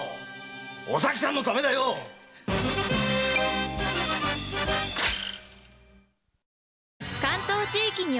おさきちゃんのためだよっ！